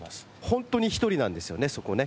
本当に１人なんですよねそこね。